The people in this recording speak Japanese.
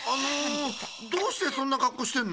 どうしてそんなかっこうしてんの？